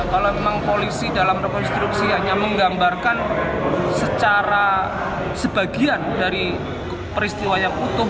kalau memang polisi dalam rekonstruksi hanya menggambarkan secara sebagian dari peristiwa yang utuh